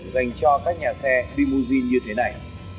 dành cho các nhà xe limousine như thế này